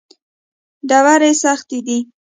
ډبرې سختې دي.